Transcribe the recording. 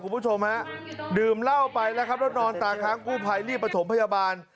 คุณผู้ชมฮะดื่มเหล้าไปแล้วครับแล้วนอนตาค้างกู้ภัยรีบประถมพยาบาล